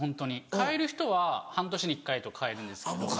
替える人は半年に１回とか替えるんですけど。